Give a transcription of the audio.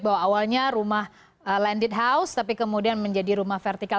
bahwa awalnya rumah landed house tapi kemudian menjadi rumah vertikal